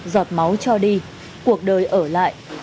giọt máu cho đi cuộc đời ở lại